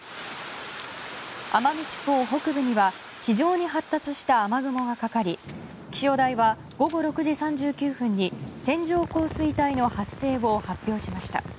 奄美地方北部には非常に発達した雨雲がかかり気象台は、午後６時３９分に線状降水帯の発生を発表しました。